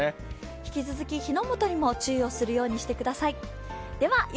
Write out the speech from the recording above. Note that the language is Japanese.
引き続き、火の元にも注意をするようにしてください。